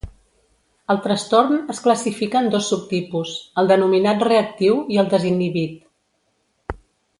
El trastorn es classifica en dos subtipus: el denominat reactiu i el desinhibit.